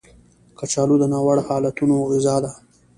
کچالو د ناوړه حالتونو غذا ده